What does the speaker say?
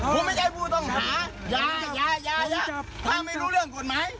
ผมไม่ใช่ผู้ต้องหายายาถ้าไม่รู้เรื่องกฎหมาย